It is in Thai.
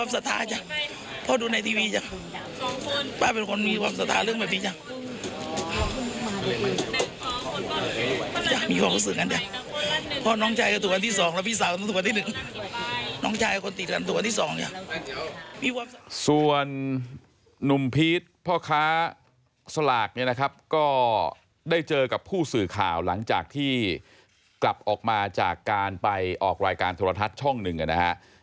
ส่วนหนุ่มพีชพ่อค้าสลากเนี่ยนะครับก็ได้เจอกับผู้สื่อข่าวหลังจากที่กลับออกมาจากการไปออกรายการโทรทัศน์ช่องหนึ่งนะฮะ